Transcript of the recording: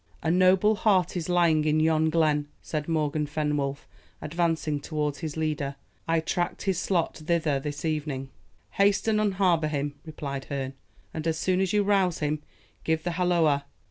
"A noble hart is lying in yon glen," said Morgan Fenwolf, advancing towards his leader; "I tracked his slot thither this evening." "Haste, and unharbour him," replied Herne, "and as soon as you rouse him, give the halloa."